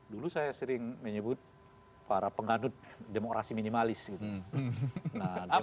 dulu saya sering menyebut para penganut demokrasi minimalis gitu